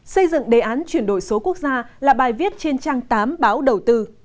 xây dựng đề án chuyển đổi số quốc gia là bài viết trên trang tám báo đầu tư